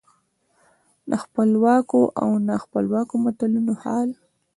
د خپلواکو او نا خپلواکو ملتونو حال.